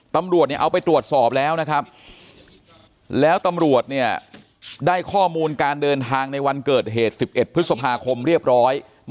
ตำรวจเอาไปตรวจสอบแล้วนะครับแล้วตำรวจได้ข้อมูลการเดินทางในวันเกิดเหตุ๑๑พฤษภาคมเรียบร้อย